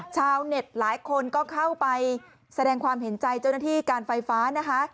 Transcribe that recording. ชาวเน็ตหลายคนก็เข้าไปแสดงความเห็นใจเจ้าหน้าที่การไฟฟ้านะคะ